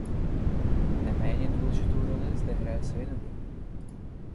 Neméně důležitou roli zde hraje svědomí.